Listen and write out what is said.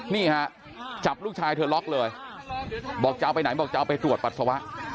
นี่ฮะจับลูกชายเธอล็อกเลยบอกจะเอาไปไหนบอกจะเอาไปตรวจปัสสาวะ